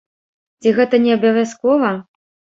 Ці гэта не абавязкова?